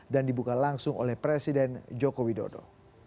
dibuka langsung oleh presiden joko widodo